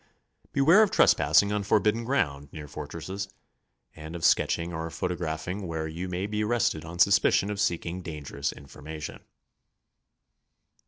Beware of trespassing on forbidden ground near fort resses, and of sketching or photographing w^here you may be arrested on suspicion of seeking dangerous information.